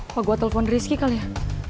apa gue telpon rizky kali ya